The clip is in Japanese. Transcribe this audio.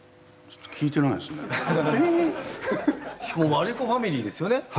ちょっと聞いてないですね。